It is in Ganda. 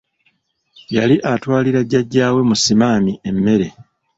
Yali atwalira Jjajja we Musimami emmere.